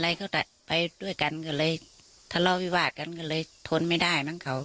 อะไรก็ได้ไปด้วยกันก็เลยทะเลาะวิวาสกันก็เลยทนไม่ได้มั้งเขา